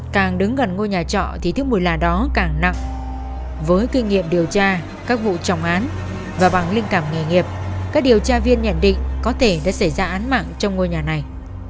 càng đứng gần ngôi nhà trọ thì thức mùi lạ đó càng nặng với kinh nghiệm điều tra các vụ trọng án và bằng linh cảm nghề nghiệp các điều tra viên nhận định có thể đã xảy ra án mạng trong ngôi nhà này